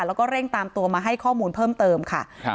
แล้วก็เร่งตามตัวมาให้ข้อมูลเพิ่มเติมค่ะครับ